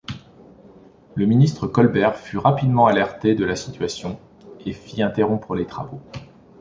Le ministre Colbert fut rapidement alerté de la situation, et fit interrompre les travaux.